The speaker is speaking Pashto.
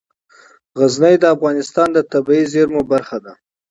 غزني د افغانستان د طبیعي زیرمو برخه ده.